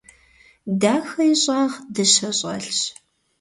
Дахэ и щӀагъ дыщэ щӀэлъщ.